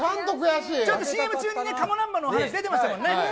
ちょっとＣＭ中にね、かも南蛮のお話出てましたもんね。